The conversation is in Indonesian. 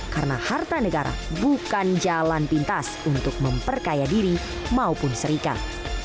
karena harta negara bukan jalan pintas untuk memperkaya diri maupun serikat